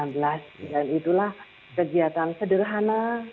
dan itulah kegiatan sederhana